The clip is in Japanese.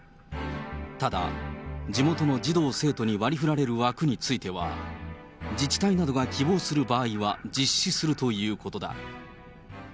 ただ、地元の児童・生徒に割りふられる枠については、自治体などが希望する場合は実施するということだ。